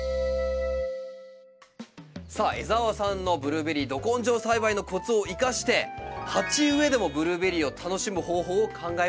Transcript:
さあ江澤さんのブルーベリーど根性栽培のコツを生かして鉢植えでもブルーベリーを楽しむ方法を考えました。